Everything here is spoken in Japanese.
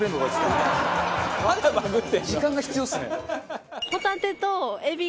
時間が必要ですね。